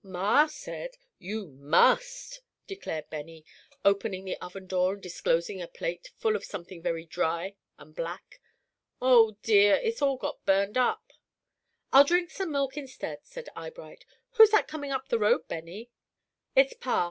"Ma said you must," declared Benny, opening the oven door and disclosing a plate full of something very dry and black. "Oh, dear, it's all got burned up." "I'll drink some milk instead," said Eyebright. "Who's that coming up the road, Benny?" "It's Pa.